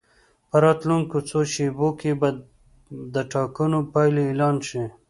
په راتلونکو څو شېبو کې به د ټاکنو پایلې اعلان شي.